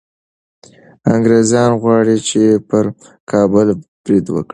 انګریزان غواړي چي پر کابل برید وکړي.